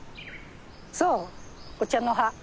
そうお茶の葉。